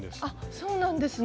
そうなんですね。